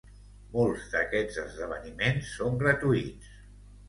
Molts d'aquests esdeveniments són gratuïts.